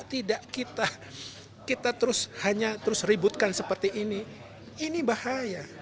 kalau tidak kita terus ributkan seperti ini ini bahaya